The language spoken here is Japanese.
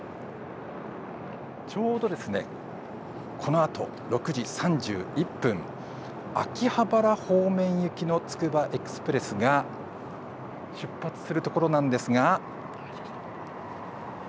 ちょうどこのあと６時３１分秋葉原方面行きのつくばエクスプレスが出発するところなんですが。